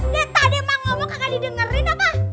nih tadi ma ngomong kagak didengerin apa